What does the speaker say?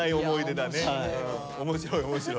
面白い面白い。